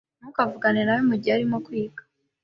Ntukavugane nawe mugihe arimo kwiga.